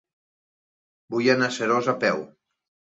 Vull anar a Seròs a peu.